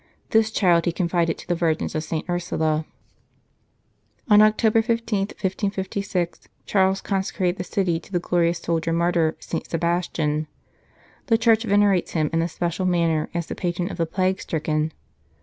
This child he confided to the Virgins of St. Ursula. On October 15, 1556, Charles consecrated the city to the glorious soldier martyr, St. Sebastian. The Church venerates him in a special manner as the patron of the plague stricken.